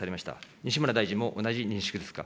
西村大臣も同じ認識ですか。